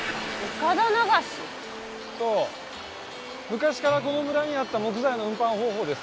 昔からこの村にあった木材の運搬方法です。